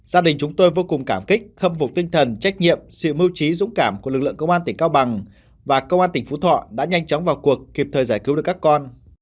gia đình chúng tôi vô cùng cảm kích khâm phục tinh thần trách nhiệm sự mưu trí dũng cảm của lực lượng công an tỉnh cao bằng và công an tỉnh phú thọ đã nhanh chóng vào cuộc kịp thời giải cứu được các con